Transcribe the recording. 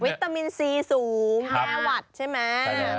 วิตามินซีสูง๕วัตต์ใช่ไหม